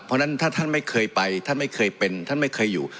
เพราะฉะนั้นถ้าท่านไม่เคยไปท่านไม่เคยเป็นท่านไม่เคยอยู่